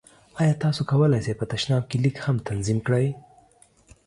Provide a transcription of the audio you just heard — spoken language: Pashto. ایا تاسو کولی شئ په تشناب کې لیک هم تنظیم کړئ؟